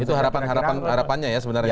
itu harapan harapannya ya sebenarnya